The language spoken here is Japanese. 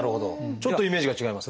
ちょっとイメージが違いますね。